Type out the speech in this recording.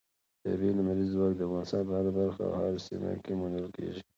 طبیعي لمریز ځواک د افغانستان په هره برخه او هره سیمه کې موندل کېږي.